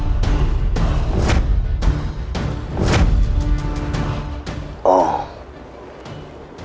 tidak ada yang bisa kubilang